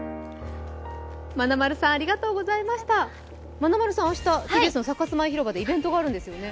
まなまるさん明日ＴＢＳのサカス広場でイベントがあるんですね。